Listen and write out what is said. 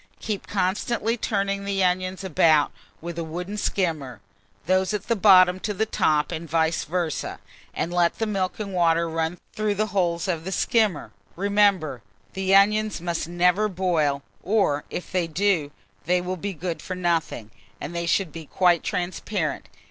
Keep constantly turning the onions about with a wooden skimmer, those at the bottom to the top, and vice versâ; and let the milk and water run through the holes of the skimmer. Remember, the onions must never boil, or, if they do, they will be good for nothing; and they should be quite transparent.